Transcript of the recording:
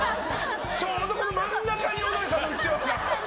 ちょうど真ん中に小田井さんのうちわが。